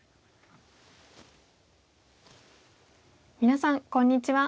皆さんこんにちは。